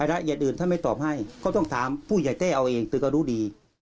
อัยะอื่นถ้าไม่ตอบให้ก็ต้องถามผู้ใหญ่แท่เอาเองตึกก็รู้ดี